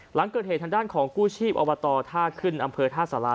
หลังเกิดเหตุทางด้านของกู้ชีพอบตท่าขึ้นอำเภอท่าสารา